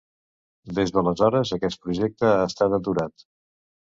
Des d’aleshores, aquest projecte ha estat aturat.